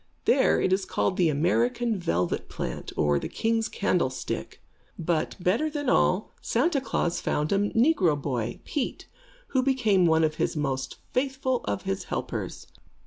There it is called the American Velvet Plant, or the King's Candlestick. But, better than all, Santa Klaas found a negro boy, Pete, who became one of the most faithful of his helpers.